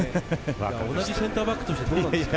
センターバックとしてどうですか。